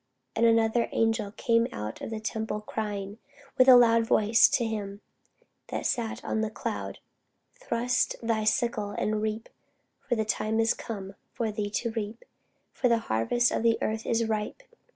And another angel came out of the temple, crying with a loud voice to him that sat on the cloud, Thrust in thy sickle, and reap: for the time is come for thee to reap; for the harvest of the earth is ripe.